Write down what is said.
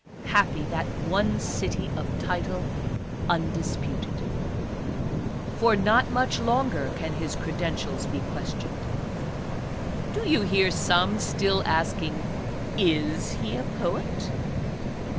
Happy that one city of title undis puted ! For not much longer can his credentials be questioned. Do you hear some still asking: "Is he a poet?"